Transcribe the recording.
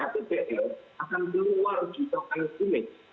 ketik ktpl akan keluar citaan sumit